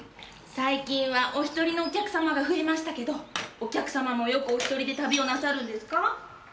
最近はおひとりのお客様が増えましたけどお客様もよくおひとりで旅をなさるんですか？